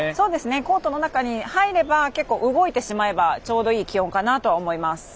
コートの中に入れば結構、動いてしまえばちょうどいい気温かなと思います。